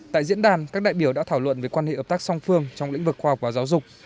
tại diễn đàn các đại biểu đã thảo luận về quan hệ hợp tác song phương trong lĩnh vực khoa học và giáo dục